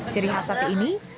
ciri khas sate ini